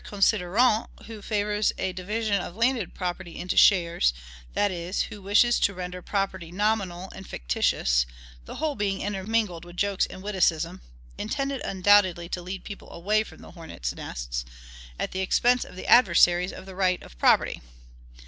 Considerant, who favors a division of landed property into shares, that is, who wishes to render property nominal and fictitious: the whole being intermingled with jokes and witticisms (intended undoubtedly to lead people away from the HORNETS' NESTS) at the expense of the adversaries of the right of property!